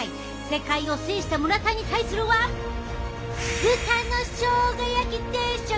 世界を制した村田に対するは豚のしょうが焼き定食！